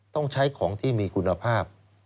ต้องใช้ของที่มีคุณภาพ